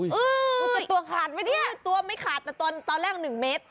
แต่ตัวขาดไหมเนี่ยตัวไม่ขาดแต่ตอนแรก๑เมตร